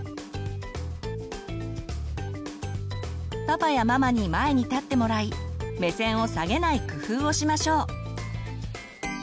パパやママに前に立ってもらい目線を下げない工夫をしましょう。